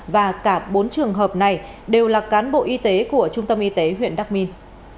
và cả bốn trường hợp này đều là cán bộ y tế của trung tâm y tế huyện đắc minh